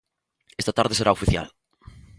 Esta tarde será oficial.